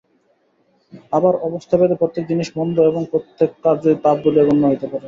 আবার অবস্থাভেদে প্রত্যেক জিনিষ মন্দ এবং প্রত্যেক কার্যই পাপ বলিয়া গণ্য হইতে পারে।